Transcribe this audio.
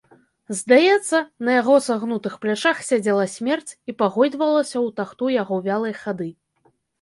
Здаецца, на яго сагнутых плячах сядзела смерць і пагойдвалася ў тахту яго вялай хады.